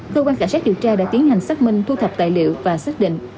thư quan cảnh sát dự tra đã tiến hành xác minh thu thập tài liệu và xác định